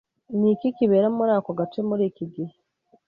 Ni iki kibera muri ako gace muri iki gihe?